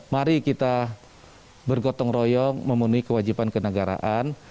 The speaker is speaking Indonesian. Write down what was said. mari kita bergotong royong memenuhi kewajiban kenegaraan